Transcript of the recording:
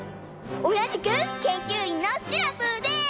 おなじくけんきゅういんのシナプーです！